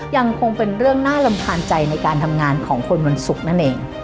ยังคงเป็นเรื่องน่ารำคาญใจในการทำงานของคนวันศุกร์นั่นเอง